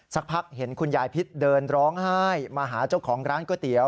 สักพักเห็นคุณยายพิษเดินร้องไห้มาหาเจ้าของร้านก๋วยเตี๋ย